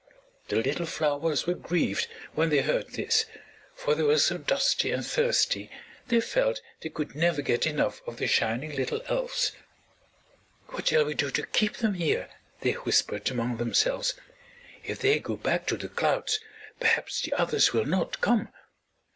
The little flowers were grieved when they heard this, for they were so dusty and thirsty they felt they could never get enough of the shining little Elves. "What shall we do to keep them here?" they whispered among themselves. "If they go back to the clouds, perhaps the others will not come.